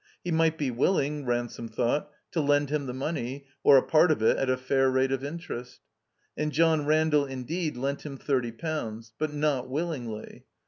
He might be willing, Ran some thought, to lend him the money, or a part of it, at a fair rate of interest. And John Randall indeed lent him thirty pounds; but not willingly.